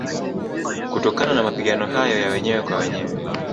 Kutokana na Mapigano hayo ya wenyewe kwa wenyewe